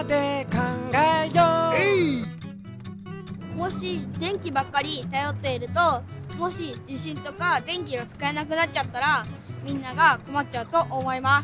もしでんきばっかりたよっているともしじしんとかでんきがつかえなくなっちゃったらみんながこまっちゃうとおもいます。